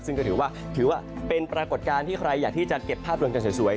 ซึ่งก็ถือว่าถือว่าเป็นปรากฏการณ์ที่ใครอยากที่จะเก็บภาพรวมกันสวย